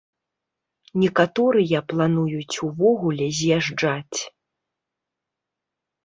Некаторыя плануюць увогуле з'язджаць.